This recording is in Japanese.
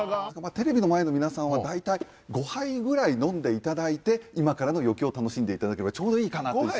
テレビの前の皆さんは大体５杯ぐらい飲んで頂いて今からの余興を楽しんで頂ければちょうどいいかなという。